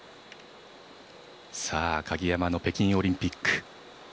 鍵山の北京オリンピック。